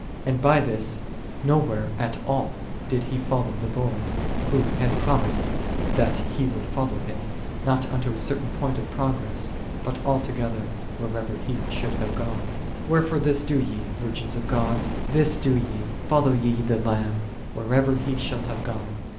And by this no where at all did he fol low the Lord, who had promised that he would follow Him, not unto a certain point of pro gress, but altogether whithersoever He should have gone. 53. Wherefore this do ye, virgins of God, this do ye: follow ye the Lamb, whithersoever He shall have gone.